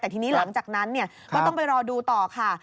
แต่ทีนี้หลังจากนั้นก็ต้องไปรอดูต่อค่ะ